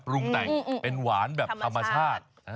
รุงแต่งเป็นหวานแบบธรรมชาติ